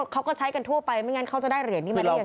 เขาก็ใช้กันทั่วไปไม่งั้นเขาจะได้เหรียญนี้มาได้ยังไง